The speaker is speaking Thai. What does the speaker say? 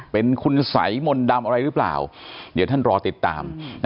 เป็นคุณสัยมนต์ดำอะไรหรือเปล่าเดี๋ยวท่านรอติดตาม